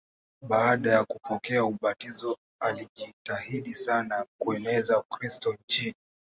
Baada ya kupokea ubatizo alijitahidi sana kueneza Ukristo nchini.